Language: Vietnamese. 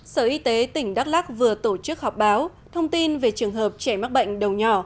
sở y tế tỉnh đắk lắc vừa tổ chức họp báo thông tin về trường hợp trẻ mắc bệnh đầu nhỏ